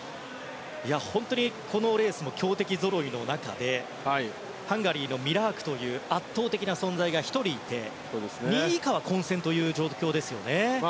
本当にこのレースも強敵ぞろいの中でハンガリーのミラークという圧倒的な存在が１人いて、２位以下は混戦という状況ですよね。